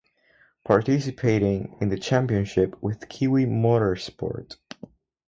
Participating in the championship with Kiwi Motorsport.